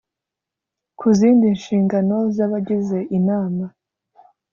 ku zindi nshingano z abagize inama